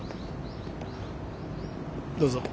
どうぞ。